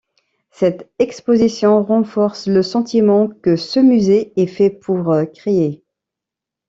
Cette exposition renforce le sentiment que ce musée est fait pour créer.